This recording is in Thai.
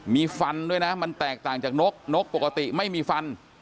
มีฟันด้วยนะมันแตกต่างจากนกนกปกติไม่มีฟัน